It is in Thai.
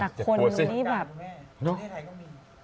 ฝั่งใจใครก็มี